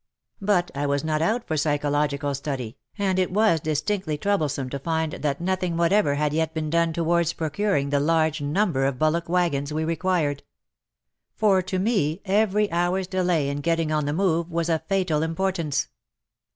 But I was not out for psychological study, and it was distinctly troublesome to find that nothing whatever had yet been done towards procuring the large number of bullock waggons we required. For to me, every hour's delay in getting on the move, was of fatal importance.